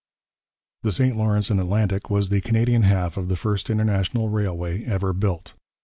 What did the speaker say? The St Lawrence and Atlantic was the Canadian half of the first international railway ever built.